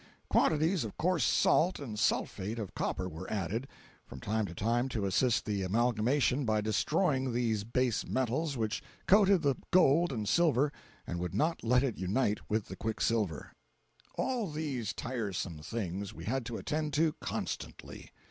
Quantities of coarse salt and sulphate of copper were added, from time to time to assist the amalgamation by destroying base metals which coated the gold and silver and would not let it unite with the quicksilver. 253.jpg (73K) All these tiresome things we had to attend to constantly.